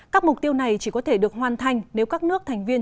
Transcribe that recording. các mục tiêu này chỉ có thể được hoàn thành nếu các nước thành viên